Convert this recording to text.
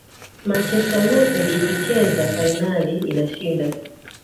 manchester united ikicheza fainali inashinda